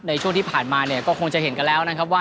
ในช่วงที่ผ่านมาเนี่ยก็คงจะเห็นกันแล้วนะครับว่า